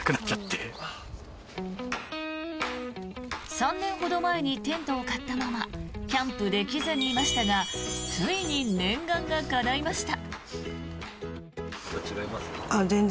３年ほど前にテントを買ったままキャンプをできずにいましたがついに念願がかないました。